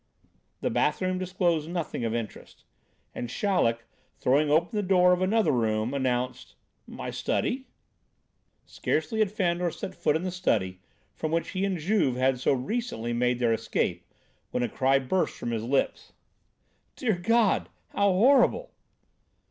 The bathroom disclosed nothing of interest, and Chaleck, throwing open the door of another room, announced, "My study." Scarcely had Fandor set foot in the study, from which he and Juve had so recently made their escape, when a cry burst from his lips: "Good God! How horrible!"